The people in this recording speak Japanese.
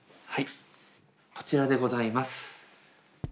はいこちらでございます。